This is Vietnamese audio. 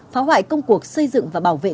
phá hoại công cuộc xây dựng và bảo vệ